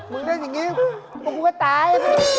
มึงเล่นอย่างนี้ครับทุกคนก็ตาย